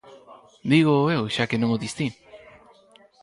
Dígoo eu, xa que non o dis ti.